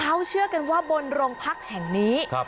เขาเชื่อกันว่าบนโรงพักแห่งนี้